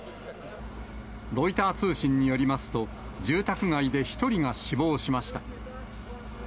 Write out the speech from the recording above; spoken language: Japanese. ロイター通信によりますと、住宅街で１人が死亡しました。